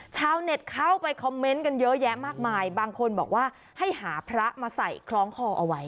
ชาวเน็ตเข้าไปคอมเมนต์กันเยอะแยะมากมายบางคนบอกว่าให้หาพระมาใส่คล้องคอเอาไว้